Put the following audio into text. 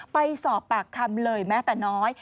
ไปสอบปากคำเลยแม้แต่น้อย